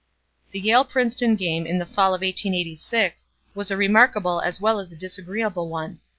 "The Yale Princeton game in the fall of 1886 was a remarkable as well as a disagreeable one.